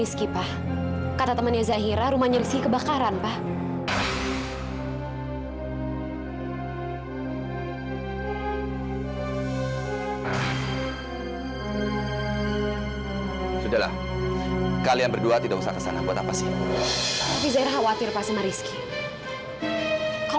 sampai jumpa di video selanjutnya